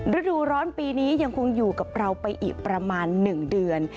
ฤดูร้อนปีนี้ยังคงอยู่กับเราไปอีกประมาณ๑เดือน